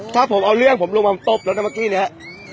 ถ้าผมเอาเรื่องผมลงมาตบแล้วนะเมื่อกี้เนี่ย